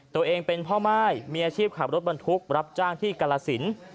ตัวเองเป็นพ่อม่ายมีอาชีพขับรถบรรทุกรับจ้างที่กรสิน